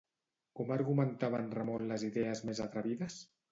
Com argumentava en Ramon les idees més atrevides?